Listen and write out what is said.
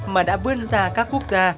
mà đã bươn ra các quốc gia